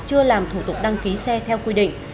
chưa làm thủ tục đăng ký xe theo quy định